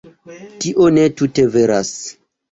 Tio ne tute veras.